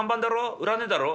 売らねえだろ？」。